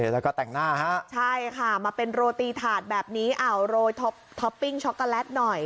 แล้วก็แต่งหน้าฮะใช่ค่ะมาเป็นโรตีถาดแบบนี้โรยท็อปปิ้งช็อกโกแลตหน่อย